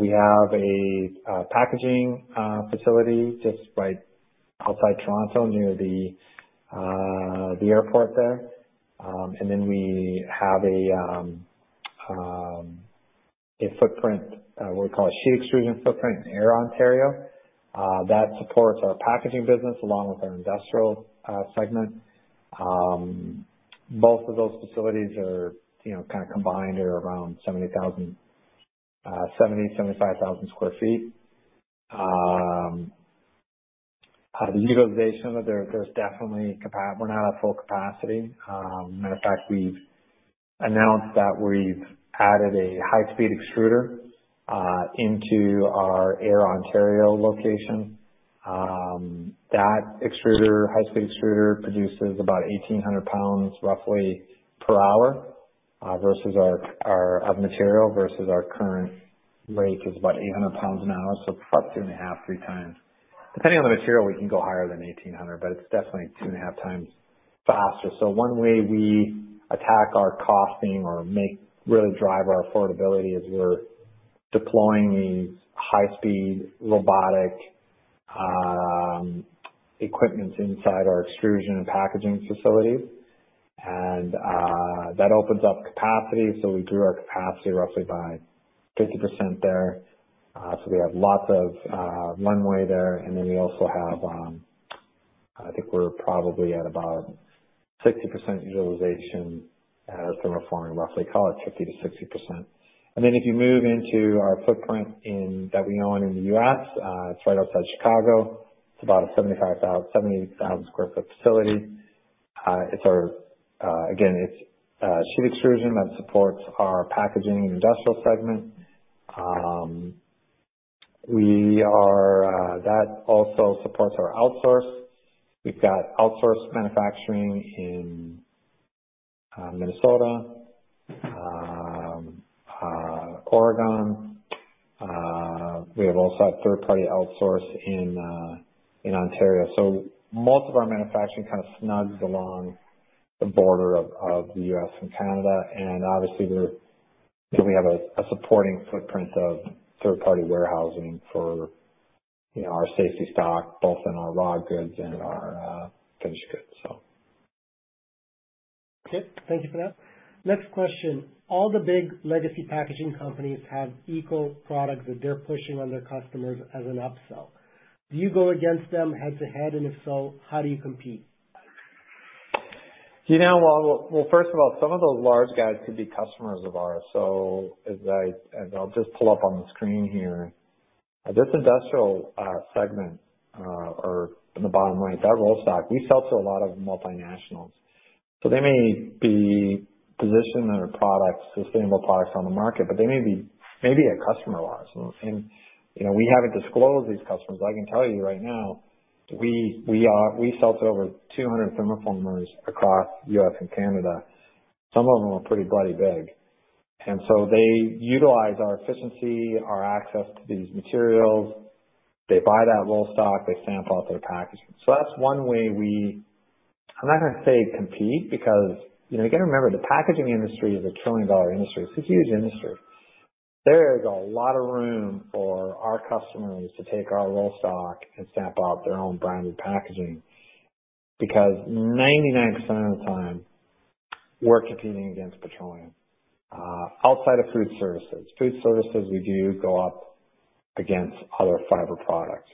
We have a packaging facility just right outside Toronto near the airport there. We have a footprint, what we call a sheet extrusion footprint in Ayr, Ontario. That supports our packaging business along with our industrial segment. Both of those facilities are, you know, kind of combined. They're around 70,000-75,000 sq ft. We're not at full capacity. Matter of fact, we've announced that we've added a high-speed extruder into our Ayr, Ontario location. That extruder, high-speed extruder produces about 1,800 lbs roughly per hour versus our of material versus our current rate is about 800 lbs an hour. About 2.5x, 3x. Depending on the material, we can go higher than 1,800, but it's definitely 2.5x faster. One way we attack our costing or really drive our affordability is we're deploying these high-speed robotic equipments inside our extrusion and packaging facilities. That opens up capacity. We grew our capacity roughly by 50% there. We have lots of runway there. We also have, I think we're probably at about 60% utilization as thermoforming, roughly call it 50%-60%. If you move into our footprint that we own in the U.S., it's right outside Chicago. It's about a 75,000-78,000 sq ft facility. It's our, again, it's sheet extrusion that supports our packaging and industrial segment. That also supports our outsource. We've got outsource manufacturing in Minnesota, Oregon. We have also had third-party outsource in Ontario. Most of our manufacturing kind of snugs along the border of the U.S. and Canada. Obviously we're, you know, we have a supporting footprint of third-party warehousing for, you know, our safety stock both in our raw goods and our finished goods. Okay. Thank you for that. Next question. All the big legacy packaging companies have equal products that they're pushing on their customers as an upsell. Do you go against them head-to-head, and if so, how do you compete? You know, well, first of all, some of those large guys could be customers of ours. As I'll just pull up on the screen here. This industrial segment, or in the bottom right, that rollstock, we sell to a lot of multinationals. They may be positioned on a product, sustainable products on the market, but they may be a customer of ours. You know, we haven't disclosed these customers, but I can tell you right now, we sell to over 200 thermoformers across U.S. and Canada. Some of them are pretty bloody big. They utilize our efficiency, our access to these materials. They buy that rollstock. They stamp out their packaging. That's one way we... I'm not gonna say compete because, you know, you gotta remember, the packaging industry is a trillion-dollar industry. It's a huge industry. There is a lot of room for our customers to take our rollstock and stamp out their own branded packaging because 99% of the time we're competing against petroleum outside of food services. Food services, we do go up against other fiber products.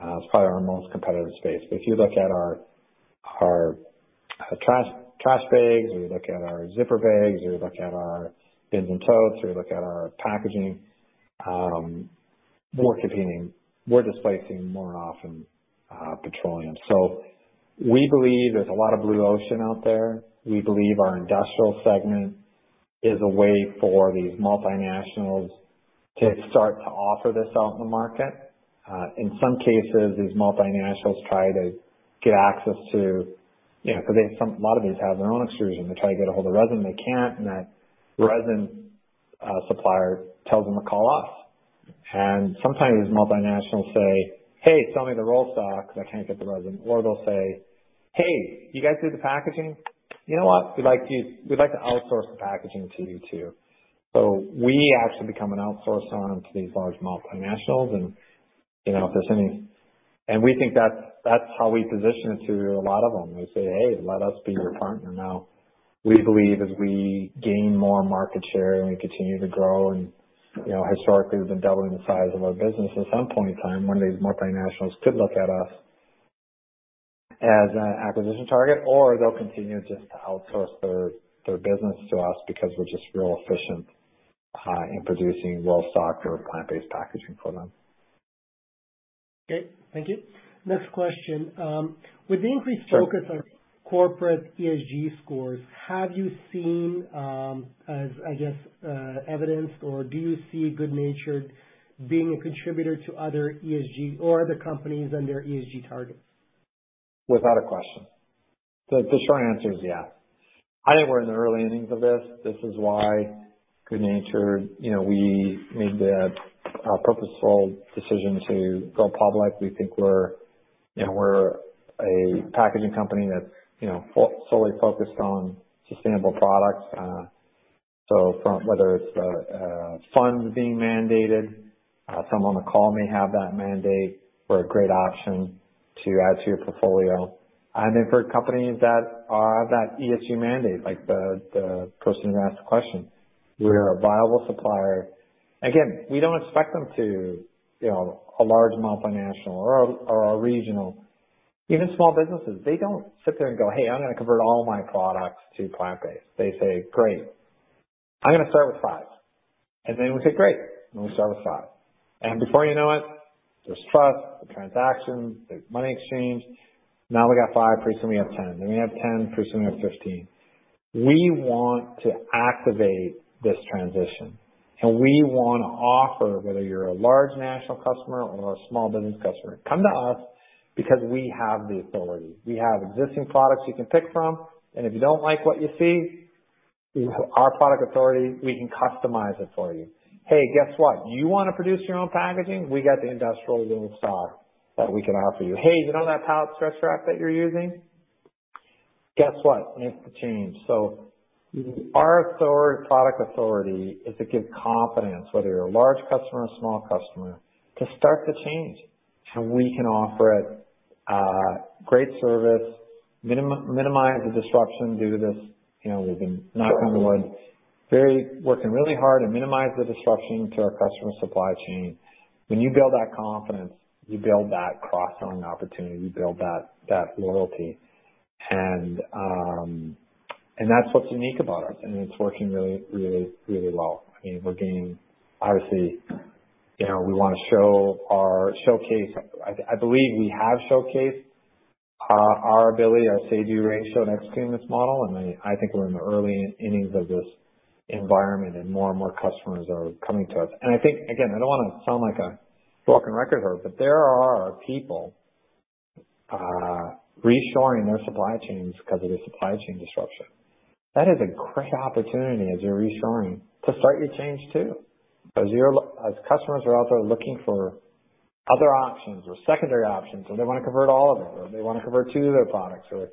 It's probably our most competitive space. If you look at our trash bags or you look at our zipper bags or you look at our bins and totes or you look at our packaging, we're competing, we're displacing more often petroleum. We believe there's a lot of blue ocean out there. We believe our industrial segment is a way for these multinationals to start to offer this out in the market. In some cases, these multinationals try to get access to. You know, because a lot of these have their own extrusion. They try to get a hold of resin, they can't, and that resin supplier tells them to call us. Sometimes multinationals say, "Hey, sell me the roll stock because I can't get the resin." They'll say, "Hey, you guys do the packaging. You know what? We'd like to outsource the packaging to you too." We actually become an outsource arm to these large multinationals and, you know, if there's any. We think that's how we position it to a lot of them. We say, "Hey, let us be your partner." We believe as we gain more market share and we continue to grow and, you know, historically, we've been doubling the size of our business. At some point in time, one of these multinationals could look at us as an acquisition target or they'll continue just to outsource their business to us because we're just real efficient in producing rollstock or plant-based packaging for them. Okay. Thank you. Next question. With the increased focus on corporate ESG scores, have you seen, as, I guess, evidenced, or do you see good natured being a contributor to other ESG or other companies and their ESG targets? Without a question. The short answer is yeah. I think we're in the early innings of this. This is why good natured, you know, we made the purposeful decision to go public. We think we're, you know, we're a packaging company that's, you know, solely focused on sustainable products. From whether it's funds being mandated, someone on the call may have that mandate. We're a great option to add to your portfolio. For companies that have that ESG mandate, like the person who asked the question, we are a viable supplier. We don't expect them to, you know, a large multinational or a regional, even small businesses, they don't sit there and go, "Hey, I'm gonna convert all my products to plant-based." They say, "Great, I'm gonna start with five." We say, "Great," and we start with five. Before you know it, there's trust, there's transactions, there's money exchanged. Now we got five. Pretty soon we have 10. We have 10, pretty soon we have 15. We want to activate this transition, and we wanna offer, whether you're a large national customer or a small business customer, come to us because we have the authority. We have existing products you can pick from, and if you don't like what you see, we have our product authority, we can customize it for you. Hey, guess what? You wanna produce your own packaging? We got the industrial rollstock that we can offer you. Hey, you know that pallet stretch wrap that you're using? Guess what? It's to change. Our authority, product authority is to give confidence, whether you're a large customer or small customer, to start the change. We can offer it great service, minimize the disruption due to this. You know, we've been knocking on the wood. Very Working really hard to minimize the disruption to our customer supply chain. When you build that confidence, you build that cross-selling opportunity, you build that loyalty. That's what's unique about us, and it's working really well. I mean, obviously, you know, we wanna show our showcase. I believe we have showcased our ability, our CPU ratio in executing this model. I think we're in the early innings of this environment and more and more customers are coming to us. I think, again, I don't want to sound like a broken record here, but there are people reshoring their supply chains 'cause of the supply chain disruption. That is a great opportunity as you're reshoring to start your change too. As customers are out there looking for other options or secondary options or they want to convert all of it or they want to convert two of their products or,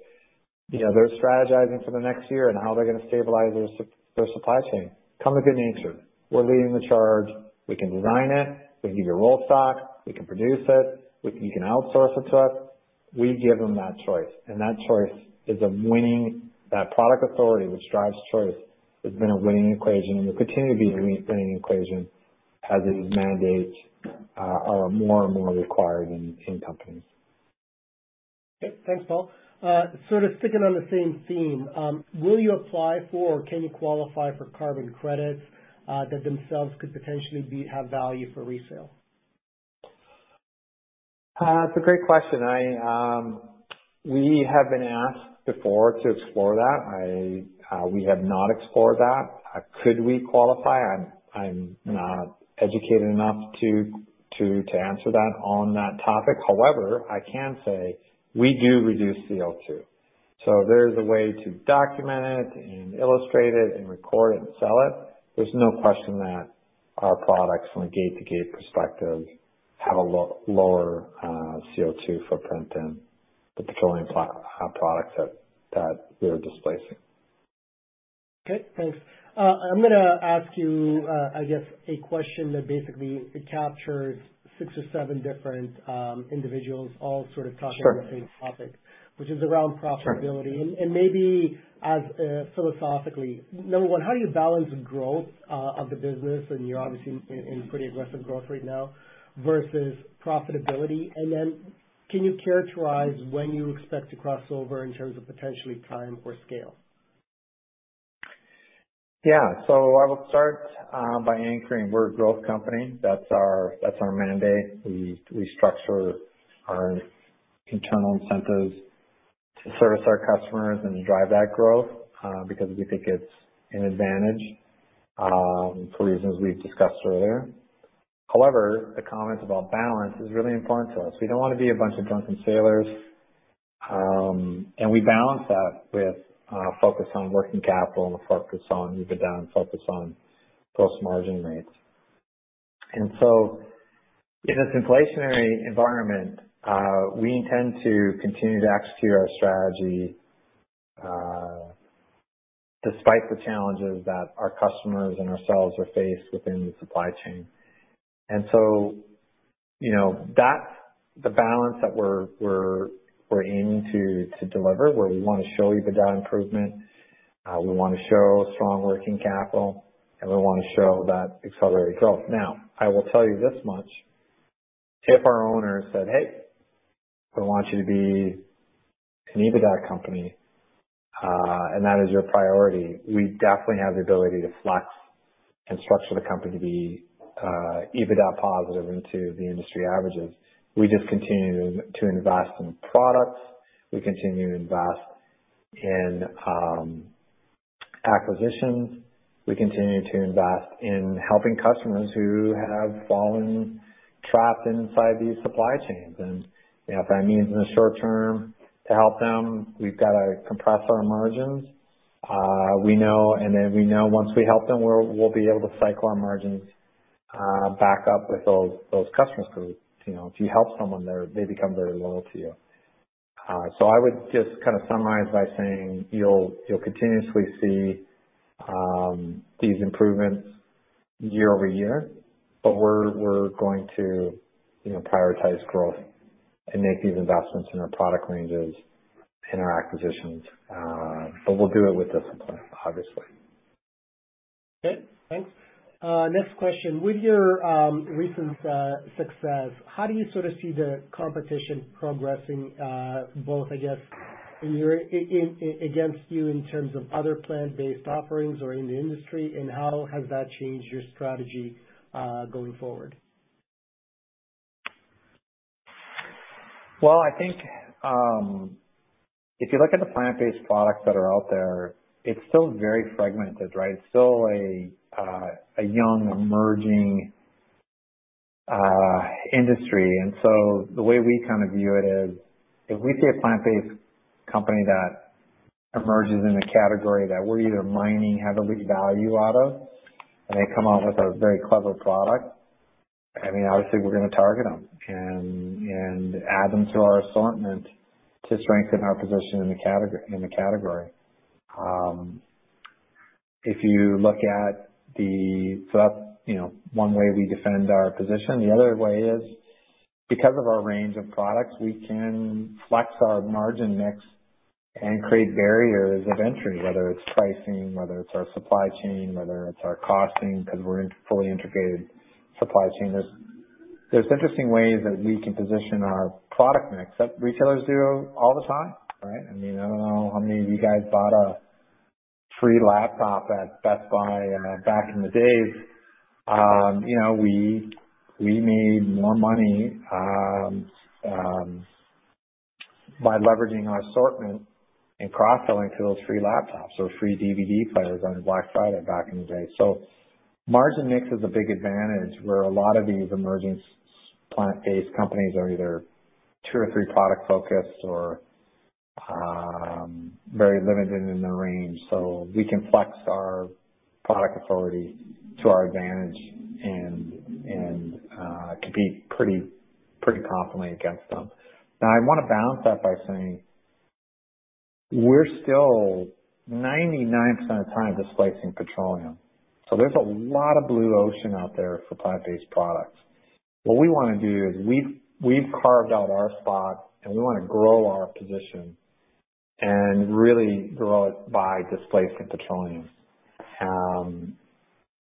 you know, they're strategizing for the next year and how they're going to stabilize their supply chain, come to good natured. We're leading the charge. We can design it. We can give you roll stock. We can produce it. You can outsource it to us. We give them that choice. That product authority, which drives choice, has been a winning equation and will continue to be a winning equation as these mandates are more and more required in companies. Okay. Thanks, Paul. Sort of sticking on the same theme, will you apply for or can you qualify for carbon credits that themselves could potentially be have value for resale? It's a great question. We have been asked before to explore that. We have not explored that. Could we qualify? I'm not educated enough to answer that on that topic. However, I can say we do reduce CO2, so if there's a way to document it and illustrate it and record it and sell it, there's no question that our products from a gate-to-gate perspective have a lower CO2 footprint than the petroleum products that we're displacing. Okay, thanks. I'm gonna ask you, I guess a question that basically it captures six or seven different individuals all sort of talking. Sure. About the same topic, which is around profitability. Sure. Maybe as philosophically, number one, how do you balance growth of the business, and you're obviously in pretty aggressive growth right now, versus profitability? Can you characterize when you expect to cross over in terms of potentially time or scale? Yeah. I will start by anchoring we're a growth company. That's our mandate. We structure our internal incentives to service our customers and drive that growth because we think it's an advantage for reasons we've discussed earlier. However, the comments about balance is really important to us. We don't wanna be a bunch of drunken sailors. We balance that with a focus on working capital and a focus on EBITDA and focus on gross margin rates. In this inflationary environment, we intend to continue to execute our strategy despite the challenges that our customers and ourselves are faced within the supply chain. You know, that's the balance that we're aiming to deliver, where we wanna show EBITDA improvement, we wanna show strong working capital, and we wanna show that accelerated growth. I will tell you this much. If our owners said, "Hey, we want you to be an EBITDA company, and that is your priority," we definitely have the ability to flex and structure the company to be EBITDA positive into the industry averages. We just continue to invest in products. We continue to invest in acquisitions. We continue to invest in helping customers who have fallen trapped inside these supply chains. You know, if that means in the short term to help them, we've gotta compress our margins. We know once we help them, we'll be able to cycle our margins back up with those customers because, you know, if you help someone, they become very loyal to you. I would just kinda summarize by saying you'll continuously see these improvements year over year, but we're going to, you know, prioritize growth and make these investments in our product ranges, in our acquisitions. But we'll do it with discipline, obviously. Okay, thanks. Next question. With your recent success, how do you sort of see the competition progressing, both, I guess, against you in terms of other plant-based offerings or in the industry, and how has that changed your strategy going forward? Well, I think, if you look at the plant-based products that are out there, it's still very fragmented, right? It's still a young emerging industry. The way we kind of view it is if we see a plant-based company that emerges in a category that we're either mining heavily value out of and they come out with a very clever product, I mean, obviously, we're gonna target them and add them to our assortment to strengthen our position in the category. That's, you know, one way we defend our position. The other way is because of our range of products, we can flex our margin mix and create barriers of entry, whether it's pricing, whether it's our supply chain, whether it's our costing, 'cause we're in fully integrated supply chain. There's interesting ways that we can position our product mix that retailers do all the time, right? I mean, I don't know how many of you guys bought a free laptop at Best Buy. Back in the days, you know, we made more money by leveraging our assortment and cross-selling to those free laptops or free DVD players on Black Friday back in the day. Margin mix is a big advantage where a lot of these emerging plant-based companies are either two or three product focused or very limited in their range. We can flex our product authority to our advantage and compete pretty confidently against them. Now, I wanna balance that by saying we're still 99% of the time displacing petroleum. There's a lot of blue ocean out there for plant-based products. What we wanna do is we've carved out our spot. We wanna grow our position and really grow it by displacing petroleum.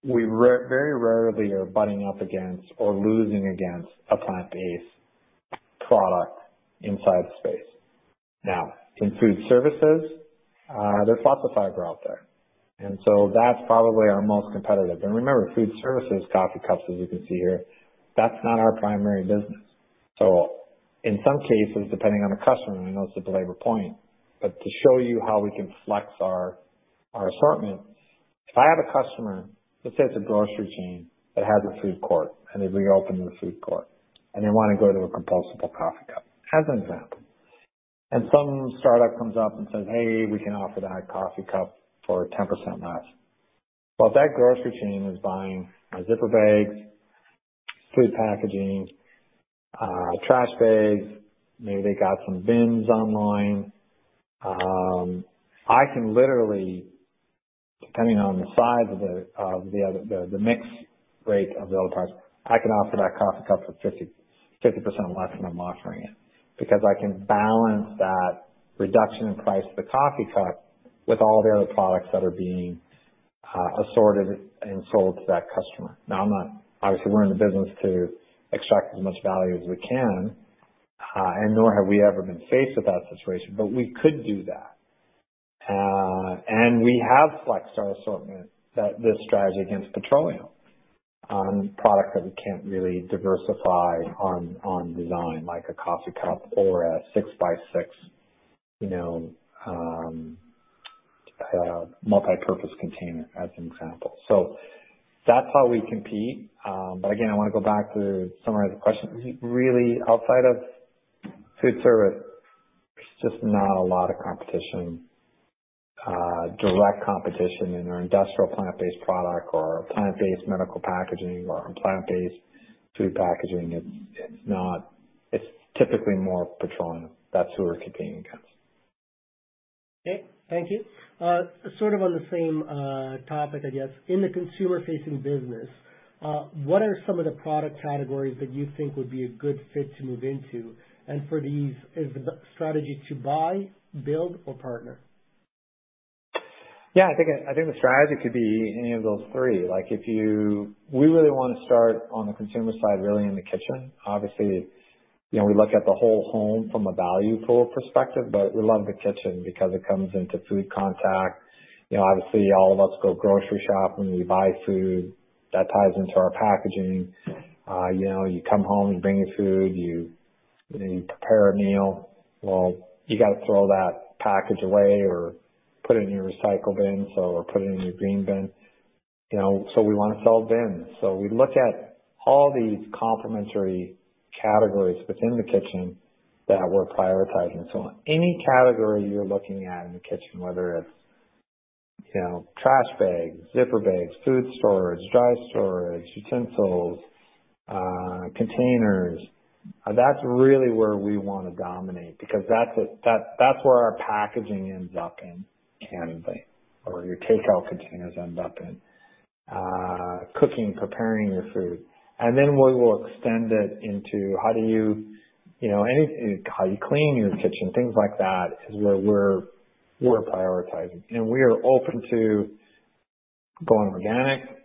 Very rarely are butting up against or losing against a plant-based product inside the space. In food services, there's lots of fiber out there. That's probably our most competitive. Remember, food services coffee cups, as you can see here, that's not our primary business. In some cases, depending on the customer, I know it's a belabored point, but to show you how we can flex our assortment. If I have a customer, let's say it's a grocery chain that has a food court. They've reopened the food court. They wanna go to a compostable coffee cup, as an example. Some startup comes up and says, "Hey, we can offer that coffee cup for 10% less." If that grocery chain is buying our zipper bags, food packaging, trash bags, maybe they got some bins online. I can literally, depending on the size of the, of the other, the mix rate of the other products, I can offer that coffee cup for 50% less than I'm offering it because I can balance that reduction in price of the coffee cup with all the other products that are being assorted and sold to that customer. I'm not. Obviously, we're in the business to extract as much value as we can, and nor have we ever been faced with that situation, but we could do that. We have flexed our assortment that. This strategy against petroleum, product that we can't really diversify on design, like a coffee cup or a six by six, you know, multipurpose container as an example. That's how we compete. Again, I wanna go back to summarize the question. Really outside of food service, there's just not a lot of competition, direct competition in our industrial plant-based product or plant-based medical packaging or plant-based food packaging. It's not. It's typically more petroleum. That's who we're competing against. Okay. Thank you. Sort of on the same topic, I guess, in the consumer-facing business, what are some of the product categories that you think would be a good fit to move into? For these, is the strategy to buy, build, or partner? Yeah, I think the strategy could be any of those three. Like, we really wanna start on the consumer side, really in the kitchen. Obviously, you know, we look at the whole home from a value pool perspective, but we love the kitchen because it comes into food contact. You know, obviously, all of us go grocery shopping, we buy food. That ties into our packaging. You know, you come home, you bring your food, you prepare a meal. Well, you gotta throw that package away or put it in your recycle bin, or put it in your green bin. You know, we wanna sell bins. We look at all these complementary categories within the kitchen that we're prioritizing. Any category you're looking at in the kitchen, whether it's, you know, trash bags, zipper bags, food storage, dry storage, utensils, containers, that's really where we wanna dominate because that's where our packaging ends up in, candidly, or your takeout containers end up in. Cooking, preparing your food. Then we will extend it into how do you know, how you clean your kitchen, things like that is where we're prioritizing. We are open to going organic,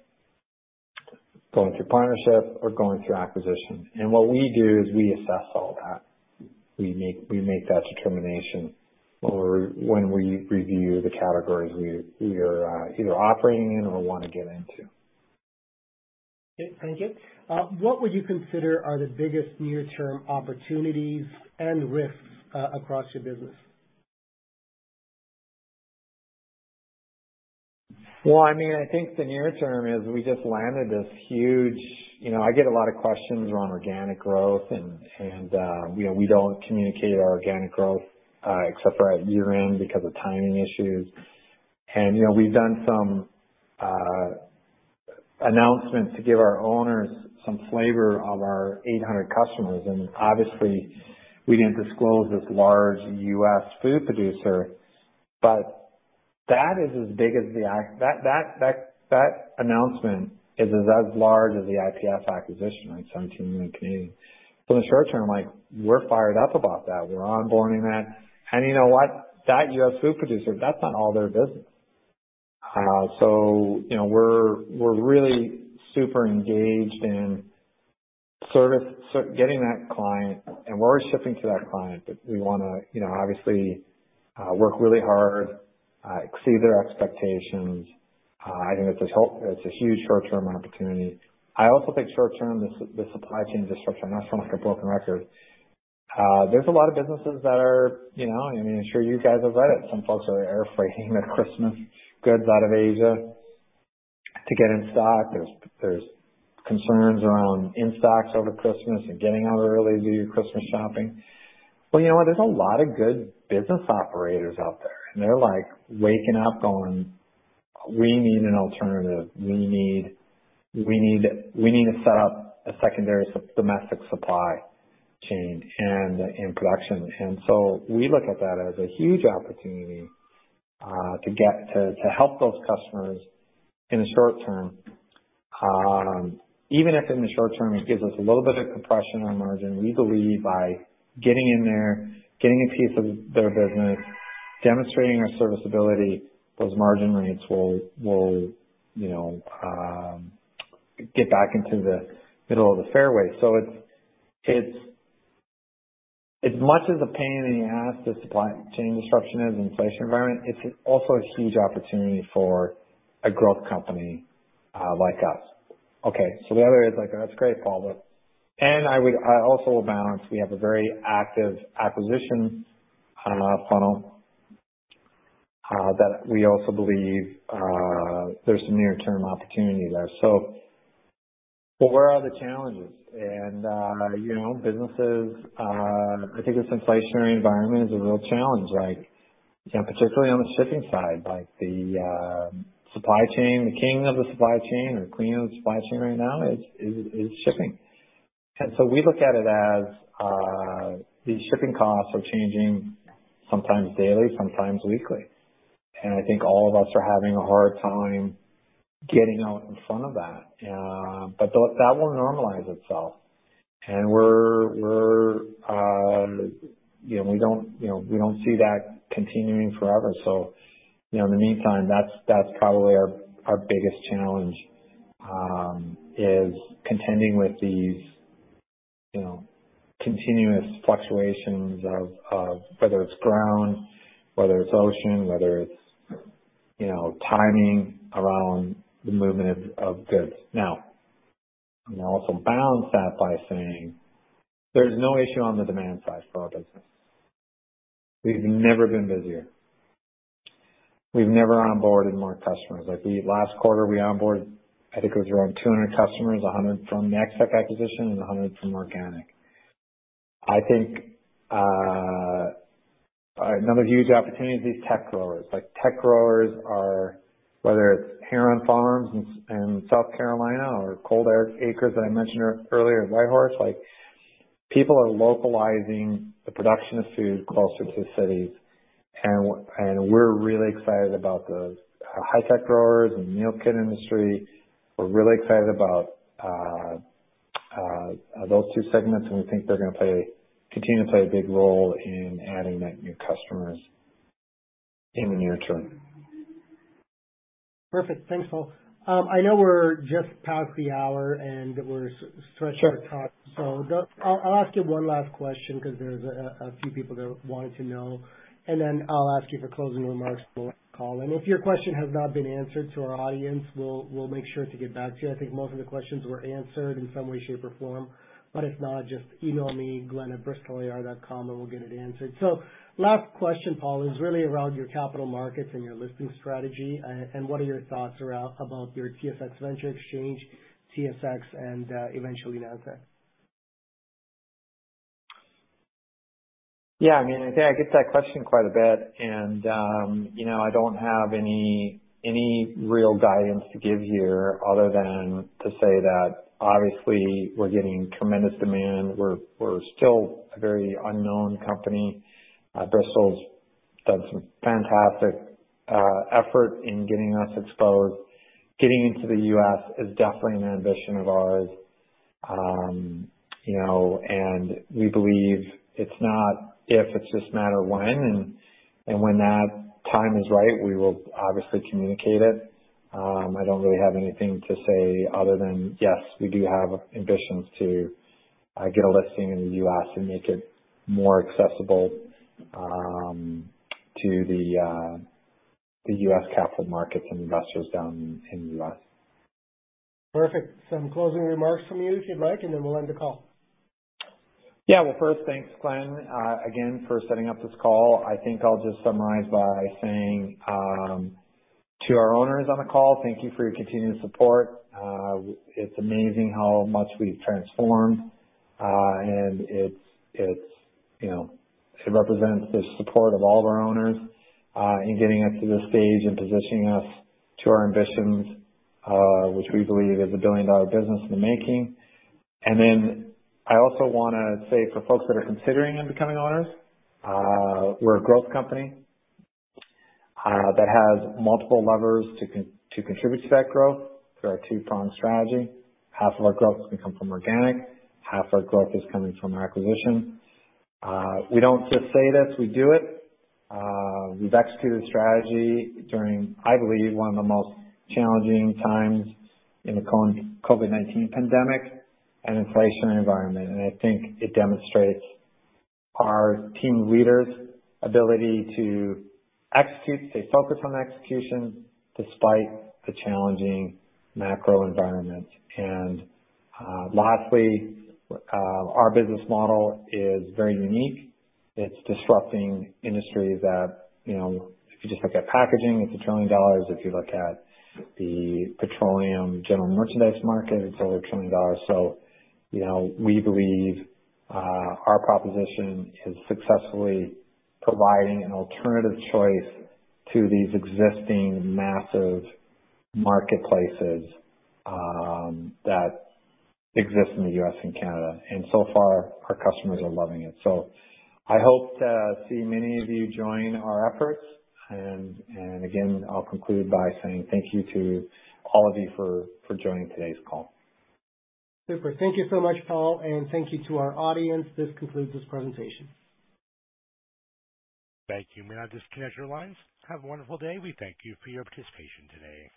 going through partnership, or going through acquisition. What we do is we assess all that. We make that determination when we review the categories we're either operating in or wanna get into. Okay. Thank you. What would you consider are the biggest near-term opportunities and risks across your business? Well, I mean, I think the near term is we just landed this huge. You know, I get a lot of questions around organic growth and, you know, we don't communicate our organic growth except for at year-end because of timing issues. You know, we've done some announcements to give our owners some flavor of our 800 customers. Obviously, we didn't disclose this large U.S. food producer, but that is as big as the That announcement is as large as the IPF acquisition, like 17 million. In the short term, like we're fired up about that. We're onboarding that. You know what? That U.S. food producer, that's not all their business. You know, we're really super engaged in service. Getting that client and we're already shipping to that client, but we wanna, you know, obviously, work really hard, exceed their expectations. I think it's a huge short-term opportunity. I also think short term, the supply chain disruption. I sound like a broken record. There's a lot of businesses that are, you know, I mean, I'm sure you guys have read it. Some folks are airfreighting their Christmas goods out of Asia to get in stock. There's concerns around in-stocks over Christmas and getting out early to do your Christmas shopping. You know what? There's a lot of good business operators out there, and they're like waking up going, "We need an alternative. We need to set up a secondary domestic supply chain and production." We look at that as a huge opportunity to help those customers in the short term. Even if in the short term, it gives us a little bit of compression on margin, we believe by getting in there, getting a piece of their business, demonstrating our serviceability, those margin rates will, you know, get back into the middle of the fairway. It's as much as a pain in the ass, the supply chain disruption is inflation environment, it's also a huge opportunity for a growth company like us. Okay, the other is like, "That's great, Paul", but I also will balance, we have a very active acquisition funnel that we also believe there's some near-term opportunity there. Where are the challenges? You know, businesses, I think this inflationary environment is a real challenge, like, you know, particularly on the shipping side, like the supply chain. The king of the supply chain or queen of the supply chain right now is shipping. We look at it as the shipping costs are changing sometimes daily, sometimes weekly. I think all of us are having a hard time getting out in front of that. That will normalize itself. We're, you know, we don't, you know, we don't see that continuing forever. You know, in the meantime, that's probably our biggest challenge, is contending with these, you know, continuous fluctuations of whether it's ground, whether it's ocean, whether it's, you know, timing around the movement of goods. I'll also balance that by saying there's no issue on the demand side for our business. We've never been busier. We've never onboarded more customers. Last quarter, we onboarded, I think it was around 200 customers, 100 from the Ex-Tech acquisition and 100 from organic. I think, another huge opportunity is these tech growers. Like, tech growers are, whether it's Heron Farms in South Carolina or ColdAcre that I mentioned earlier, Whitehorse. Like, people are localizing the production of food closer to cities. We're really excited about the high-tech growers and meal kit industry. We're really excited about those two segments. We think they're gonna play, continue to play a big role in adding net new customers in the near term. Perfect. Thanks, Paul. I know we're just past the hour, and we're stretched for time. I'll ask you one last question because there's a few people that wanted to know, and then I'll ask you for closing remarks before ending the call. If your question has not been answered to our audience, we'll make sure to get back to you. I think most of the questions were answered in some way, shape, or form, but if not, just email me, glen@bristolir.com, and we'll get it answered. Last question, Paul, is really around your capital markets and your listing strategy. What are your thoughts about your TSX Venture Exchange, TSX, and eventually NASDAQ? Yeah, I mean, I think I get that question quite a bit. You know, I don't have any real guidance to give here other than to say that obviously we're getting tremendous demand. We're still a very unknown company. Bristol's done some fantastic effort in getting us exposed. Getting into the U.S. is definitely an ambition of ours. You know, we believe it's not if, it's just a matter of when. When that time is right, we will obviously communicate it. I don't really have anything to say other than, yes, we do have ambitions to get a listing in the U.S. and make it more accessible to the U.S. capital markets and investors down in the U.S. Perfect. Some closing remarks from you if you'd like, and then we'll end the call. Well, first, thanks, Glen, again for setting up this call. I think I'll just summarize by saying, to our owners on the call, thank you for your continued support. It's amazing how much we've transformed, and it's, you know, it represents the support of all of our owners in getting us to this stage and positioning us to our ambitions, which we believe is a billion-dollar business in the making. I also wanna say for folks that are considering in becoming owners, we're a growth company that has multiple levers to contribute to that growth through our two-pronged strategy. Half of our growth is gonna come from organic, half our growth is coming from our acquisition. We don't just say this, we do it. We've executed strategy during, I believe, one of the most challenging times in the COVID-19 pandemic and inflation environment. I think it demonstrates our team leaders' ability to execute, stay focused on execution despite the challenging macro environment. Lastly, our business model is very unique. It's disrupting industries that, you know, if you just look at packaging, it's 1 trillion dollars. If you look at the petroleum general merchandise market, it's another 1 trillion dollars. You know, we believe our proposition is successfully providing an alternative choice to these existing massive marketplaces that exist in the U.S. and Canada. So far, our customers are loving it. I hope to see many of you join our efforts. Again, I'll conclude by saying thank you to all of you for joining today's call. Super. Thank you so much, Paul, and thank you to our audience. This concludes this presentation. Thank you. We may now disconnect your lines. Have a wonderful day. We thank you for your participation today.